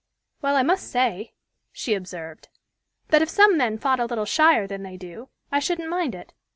"Well, I must say," she observed, "that if some men fought a little shyer than they do, I shouldn't mind it.